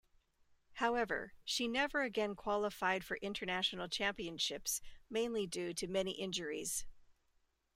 However, she never again qualified for international championships mainly due to many injuries.